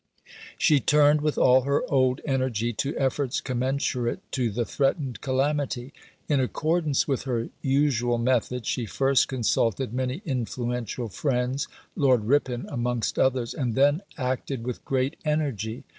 She turned with all her old energy to efforts commensurate to the threatened calamity. In accordance with her usual method, she first consulted many influential friends (Lord Ripon amongst others), and then acted with great energy.